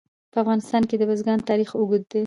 په افغانستان کې د بزګان تاریخ اوږد دی.